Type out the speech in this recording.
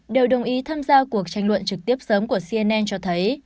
đều đồng ý tham gia cuộc tranh luận trực tiếp sớm của cnn cho thấy